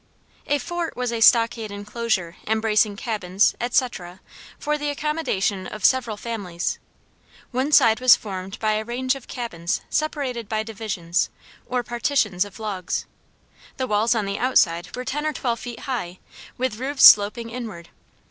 A fort was a stockade enclosure embracing cabins, etc., for the accommodation of several families. One side was formed by a range of cabins separated by divisions, or partitions of logs; the walls on the outside were ten or twelve feet high, with roofs sloping inward.